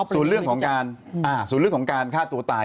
ส่วนเรื่องของการศูนย์เรื่องของการฆ่าตัวตาย